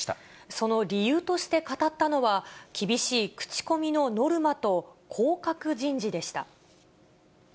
その理由として語ったのは、厳しい口コミのノルマと、降格人事でした。